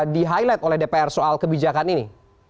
di highlight oleh dpr soal kebijakan ini